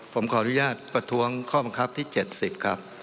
ผมขออนุญาตประท้วงข้อบังคับที่๗๐ครับ